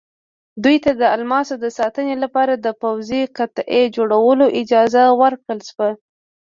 دوی ته د الماسو د ساتنې لپاره د پوځي قطعې جوړولو اجازه ورکړل شوه.